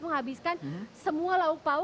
menghabiskan semua lauk lauk quierijang gaihum